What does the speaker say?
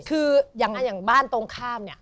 คืออย่างบ้านตรงข้ามเนี่ย